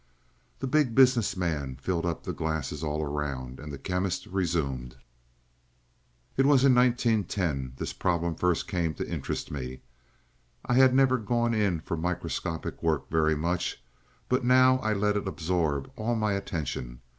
The Big Business Man filled up the glasses all around, and the Chemist resumed: "It was in 1910, this problem first came to interest me. I had never gone in for microscopic work very much, but now I let it absorb all my attention.